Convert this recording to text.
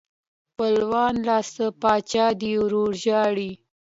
خپلوانو لا څه پاچا دې ورور ژاړي.